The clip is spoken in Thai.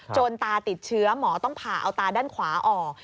ตาติดเชื้อหมอต้องผ่าเอาตาด้านขวาออก